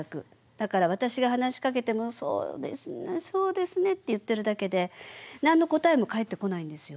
だから私が話しかけても「そうですねそうですね」って言ってるだけで何の答えも返ってこないんですよ。